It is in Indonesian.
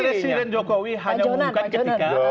presiden jokowi hanya mengumumkan ketika